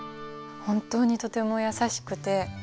本当にとても優しくて。